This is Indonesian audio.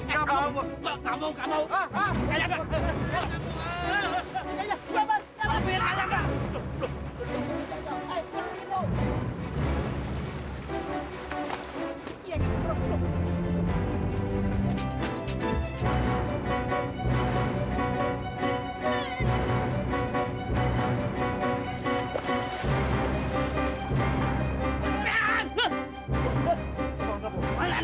enggak mau bos enggak mau enggak mau